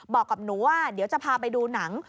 บอกกับหนูว่าเดี๋ยวจะพาไปดูหนัง